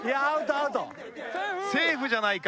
「セーフじゃないか？」